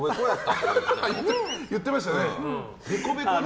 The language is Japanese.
言ってましたね。